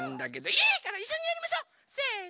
いいからいっしょにやりましょ！せの！